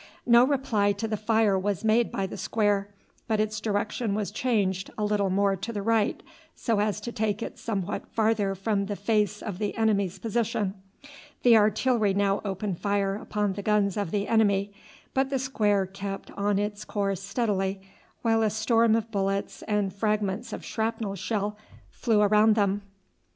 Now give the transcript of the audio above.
No reply to the fire was made by the square, but its direction was changed a little more to the right so as to take it somewhat farther from the face of the enemy's position. The artillery now opened fire upon the guns of the enemy, but the square kept on its course steadily, while a storm of bullets and fragments of shrapnel shell flew around them.